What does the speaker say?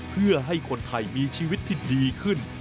เพื่อให้คนไทยมีชีวิตที่ดีขึ้น